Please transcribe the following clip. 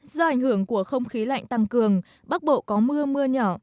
do ảnh hưởng của không khí lạnh tăng cường bắc bộ có mưa mưa nhỏ